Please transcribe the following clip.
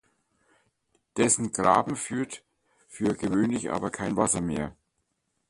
Dessen Graben führt für gewöhnlich aber kein Wasser mehr.